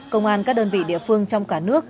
công an các đơn vị địa phương trong cả nước